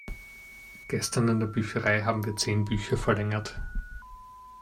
Gestern in der Bücherei haben wir zehn Bücher verlängert.